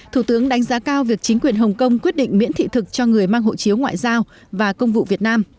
thủ tướng đánh giá cao việc chính quyền hồng kông quyết định miễn thị thực cho người mang hộ chiếu ngoại giao và công vụ việt nam